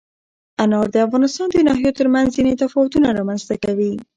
انار د افغانستان د ناحیو ترمنځ ځینې تفاوتونه رامنځ ته کوي.